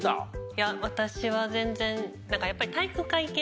いや私は全然。